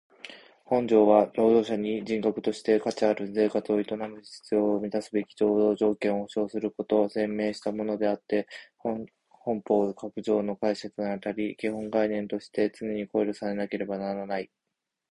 本条は労働者に人格として価値ある生活を営む必要を充すべき労働条件を保障することを宣明したものであつて本法各条の解釈にあたり基本観念として常に考慮されなければならない。